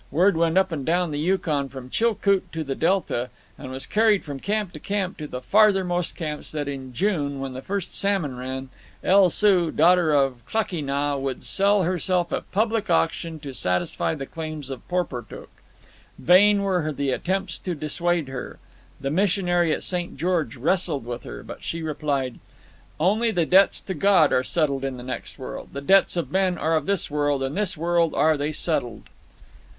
Word went up and down the Yukon from Chilcoot to the Delta, and was carried from camp to camp to the farthermost camps, that in June, when the first salmon ran, El Soo, daughter of Klakee Nah, would sell herself at public auction to satisfy the claims of Porportuk. Vain were the attempts to dissuade her. The missionary at St. George wrestled with her, but she replied— "Only the debts to God are settled in the next world. The debts of men are of this world, and in this world are they settled."